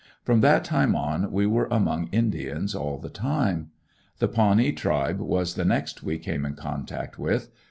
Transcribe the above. From that time on we were among indians all the time. The Pawnee tribe was the next we came in contact with.